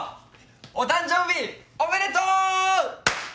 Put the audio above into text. お誕生日おめでとう！